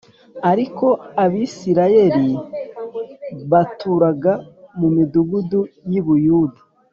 Ariko Abisirayeli baturaga mu midugudu y’i Buyuda